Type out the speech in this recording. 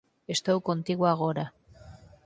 Estou contigo agora.